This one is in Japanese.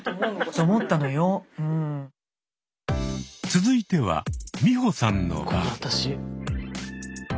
続いては美穂さんの番。え？